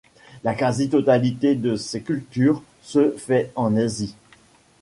La quasi-totalité de ces cultures se fait en Asie.